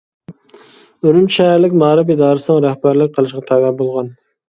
ئۈرۈمچى شەھەرلىك مائارىپ ئىدارىسىنىڭ رەھبەرلىك قىلىشىغا تەۋە بولغان.